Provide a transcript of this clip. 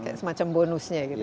kayak semacam bonusnya gitu